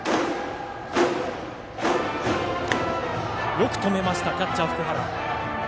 よく止めたキャッチャーの福原。